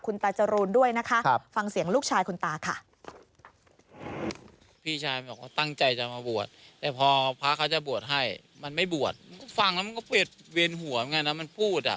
คุณตาจรูนด้วยนะคะฟังเสียงลูกชายคุณตาค่ะพี่ชายตั้งใจจะมาบวชแต่พอพระเขาจะบวชให้มันไม่บวชฟังแล้วมันก็เปลี่ยนเวรหัวไงนะมันพูดอ่ะ